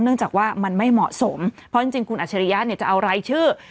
เนื่องจากว่ามันไม่เหมาะสมเพราะจริงคุณอัชริยาจะเอารายชื่อ